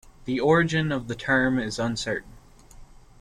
The origin of the term is uncertain.